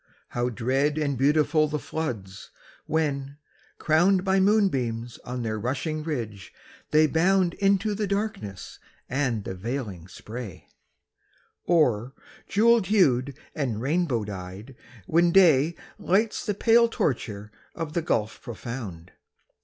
How dread and beautiful the floods, when, crowned By moonbeams on their rushing ridge, they bound Into the darkness and the veiling spray; Or, jewel hued and rainbow dyed, when day Lights the pale torture of the gulf profound!